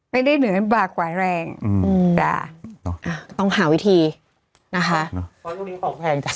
ไม่ได้เหนือปากกว่าแรงอืมจ๋าอ่ะต้องหาวิธีนะคะของแพงจ๋า